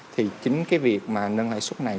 thì chính cái việc mà nâng lãi suất này